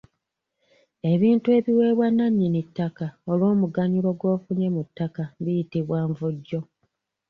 Ebintu ebiweebwa nnannyini ttaka olw’omuganyulo gw’ofunye mu ttaka biyitibwa Nvujjo.